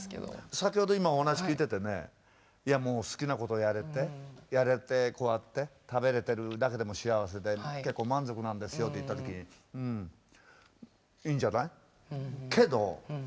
先ほど今お話聞いててね「いやもう好きなことやれてこうやって食べれてるだけでも幸せで結構満足なんですよ」と言った時にうんいいんじゃないけどいつまで？